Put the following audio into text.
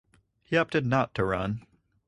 He opted not to run.